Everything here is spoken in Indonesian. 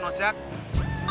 bang apanya bunyi